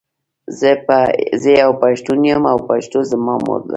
زۀ یو پښتون یم او پښتو زما مور ده.